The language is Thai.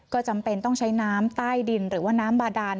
ก็จำเป็นต้องใช้น้ำใต้ดินหรือว่าน้ำบาดาน